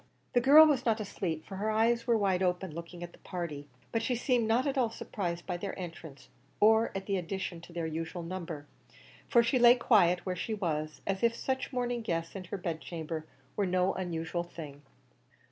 The girl was not asleep, for her eyes were wide open, looking at the party, but she seemed not at all surprised by their entrance, or at the addition to their usual numbers, for she lay quite quiet where she was, as if such morning guests in her bed chamber were no unusual thing.